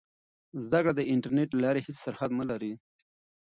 زده کړه د انټرنیټ له لارې هېڅ سرحد نه لري.